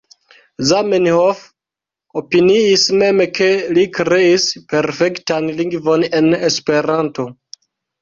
Zamenhof opiniis mem ke li kreis perfektan lingvon en Esperanto.